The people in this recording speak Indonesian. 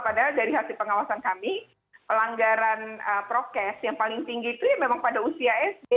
padahal dari hasil pengawasan kami pelanggaran prokes yang paling tinggi itu ya memang pada usia sd